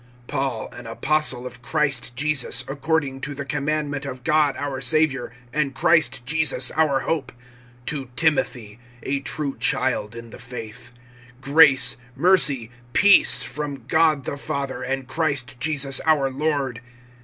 PAUL, an apostle of Christ Jesus, according to the commandment of God our Savior and Christ Jesus our hope, (2)to Timothy, a true child in the faith: Grace, mercy, peace, from God the Father and Christ Jesus our Lord.